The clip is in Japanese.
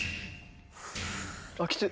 あっきつい。